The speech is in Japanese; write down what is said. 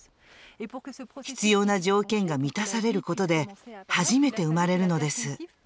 必要な条件が満たされることで初めて生まれるのです。